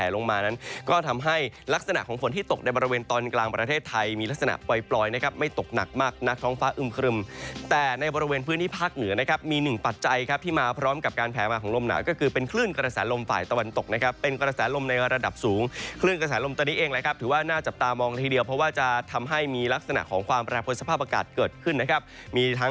ลงมานั้นก็ทำให้ลักษณะของฝนที่ตกในบริเวณตอนกลางประเทศไทยมีลักษณะไวปลอยนะครับไม่ตกหนักมากนักท้องฟ้าอึมครึมแต่ในบริเวณพื้นที่ภาคเหนือนะครับมีหนึ่งปัจจัยครับที่มาพร้อมกับการแพ้มาของลมหนาวก็คือเป็นคลื่นกระแสลมฝ่ายตะวันตกนะครับเป็นกระแสลมในระดับสูงคลื่นกระแสลมต